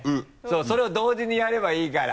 それを同時にやればいいから。